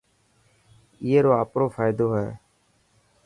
اي رو آپرو فائدو هي.